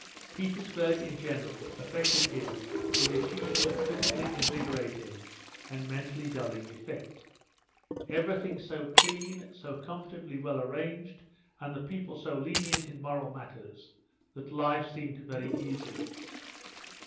Petersburg in general affected him with its usual physically invigorating and mentally dulling effect. Everything so clean, so comfortably well arranged and the people so lenient in moral matters, that life seemed very easy.